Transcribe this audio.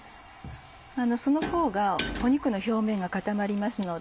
そのほうが肉の表面が固まりますので。